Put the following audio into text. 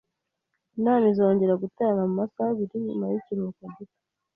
Inama izongera guterana mumasaha abiri nyuma yikiruhuko gito.